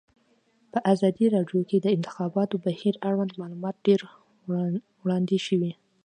په ازادي راډیو کې د د انتخاباتو بهیر اړوند معلومات ډېر وړاندې شوي.